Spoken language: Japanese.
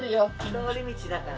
通り道だから。